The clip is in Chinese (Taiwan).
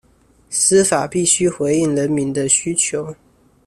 司法必須回應人民的需求